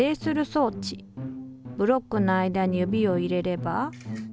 ブロックの間に指を入れれば。